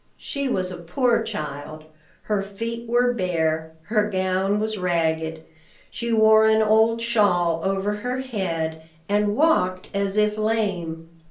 She was a poor child: her feet were bare, her gown was ragged, she wore an old shawl over her head, and walked as if lame.